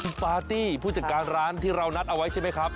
คุณปาร์ตี้ผู้จัดการร้านที่เรานัดเอาไว้ใช่ไหมครับ